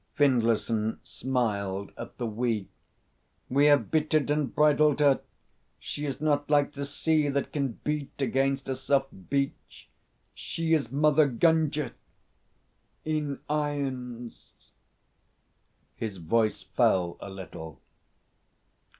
Findlayson smiled at the "we." "We have bitted and bridled her. She is not like the sea, that can beat against a soft beach. She is Mother Gunga in irons." His voice fell a little.